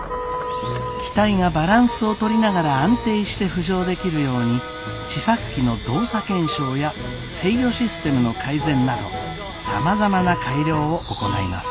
機体がバランスを取りながら安定して浮上できるように試作機の動作検証や制御システムの改善などさまざまな改良を行います。